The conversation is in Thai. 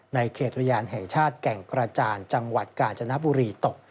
ในเขตอุทยานแห่งชาติแก่งกระจานจังหวัดกาญจนบุรีตก